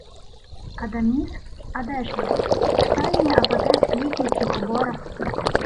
— Адаміс? А де ж є? В стайні або десь у кліті чи в оборах.